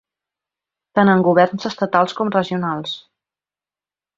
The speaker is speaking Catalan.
Tant en governs estatals com regionals.